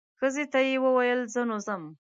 ښځې ته یې وویل زه نو ځم.